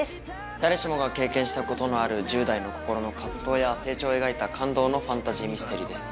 誰しもが経験したことのある１０代の心の藤や成長を描いた感動のファンタジーミステリーです。